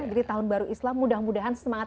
jadi tahun baru islam mudah mudahan semangatnya